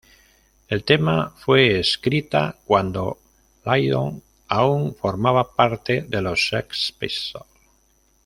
El tema fue escrita cuando Lydon aún formaba parte de los Sex Pistols.